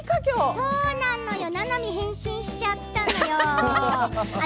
そうなのよ、ななみ変身しちゃったのよ。